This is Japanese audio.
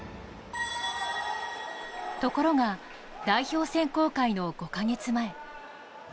ところが代表選考会の５カ月前。